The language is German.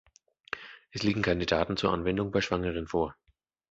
Es liegen keine Daten zur Anwendung bei Schwangeren vor.